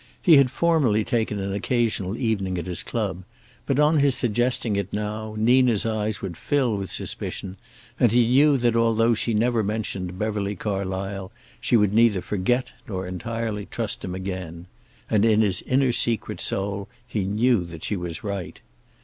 He had formerly taken an occasional evening at his club, but on his suggesting it now Nina's eyes would fill with suspicion, and he knew that although she never mentioned Beverly Carlysle, she would neither forget nor entirely trust him again. And in his inner secret soul he knew that she was right.